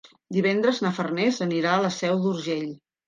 Divendres na Farners anirà a la Seu d'Urgell.